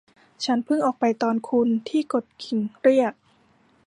ฉันเพิ่งออกไปตอนคุณที่กดกริ่งเรียก